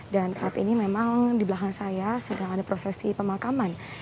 dan saat ini memang di belakang saya sedang ada prosesi pemakaman